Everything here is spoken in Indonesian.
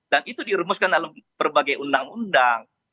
dan itu diremuskan dalam berbagai undang undang